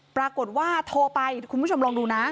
ปรากฏว่าโทรไปคุณผู้ชมลองดูนะ